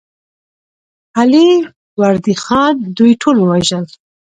علي وردي خان دوی ټول ووژل.